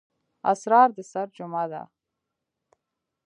اسرار د سِر جمعه ده.